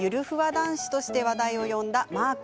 男子として話題を呼んだマア君。